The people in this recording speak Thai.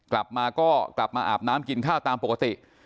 กลับมาก็กลับมาอาบน้ำกินข้าวตามปกติ